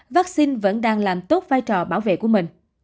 vaccine vẫn đang làm tốt vai trò bảo vệ của mình